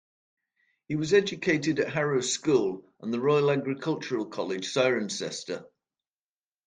He was educated at Harrow School and the Royal Agricultural College, Cirencester.